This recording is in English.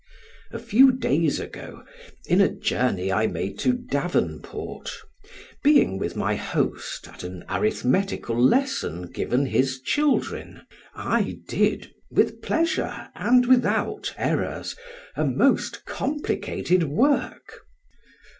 A few days ago, in a journey I made to Davenport, being with my host at an arithmetical lesson given his children, I did (with pleasure, and without errors) a most complicated work.